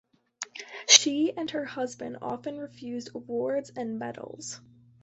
She and her husband often refused awards and medals.